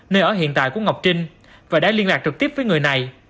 nơi ở hiện tại của ngọc trinh và đã liên lạc trực tiếp với người này